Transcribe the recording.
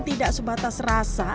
tidak sebatas rasa